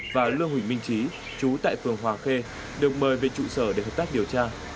và lương huỳnh minh trí chú tại phường hòa khê được mời về trụ sở để hợp tác điều tra